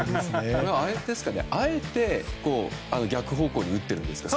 あえて逆方向に打ってるんですかね。